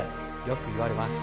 よく言われます。